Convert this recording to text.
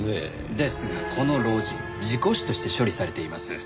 ですがこの老人事故死として処理されています。